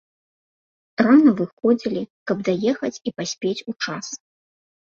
Рана выходзілі, каб даехаць і паспець у час.